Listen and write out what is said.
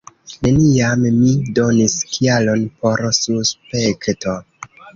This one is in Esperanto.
Neniam mi donis kialon por suspekto.